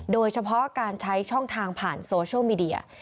โดยเฉพาะการใช้ช่องทางผ่านโซเชียลมีเดีย